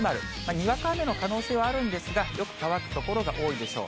にわか雨の可能性はあるんですが、よく乾く所が多いでしょう。